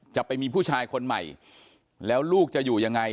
จะไปมีผู้ชายคนใหม่แล้วลูกจะอยู่ยังไง